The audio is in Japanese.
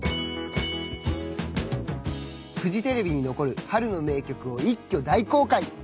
［フジテレビに残る春の名曲を一挙大公開］